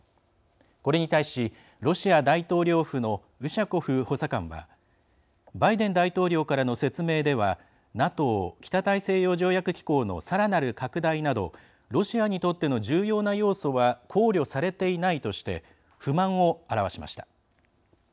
これに対し、ロシア大統領府のウシャコフ補佐官はバイデン大統領からの説明ではＮＡＴＯ＝北大西洋条約機構のさらなる拡大などロシアにとっての重要な要素は考慮されていないとして不満を表しました。